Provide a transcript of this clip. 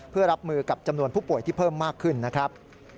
เพื่อรับมือกับจำนวนผู้ป่วยที่เพิ่มมากขึ้นนะครับ